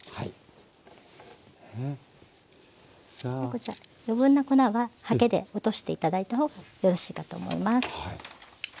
こちら余分な粉ははけで落として頂いた方がよろしいかと思います。